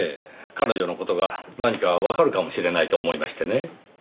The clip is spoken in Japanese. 彼女の事が何かわかるかもしれないと思いましてね。